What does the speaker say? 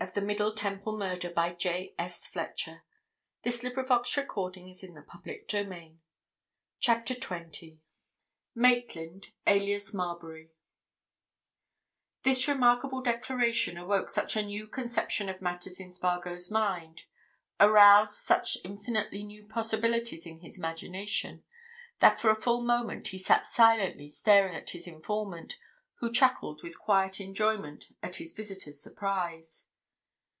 "That Chamberlayne never did die, and that that coffin was weighted with lead!" he answered. CHAPTER TWENTY MAITLAND ALIAS MARBURY This remarkable declaration awoke such a new conception of matters in Spargo's mind, aroused such infinitely new possibilities in his imagination, that for a full moment he sat silently staring at his informant, who chuckled with quiet enjoyment at his visitor's surprise.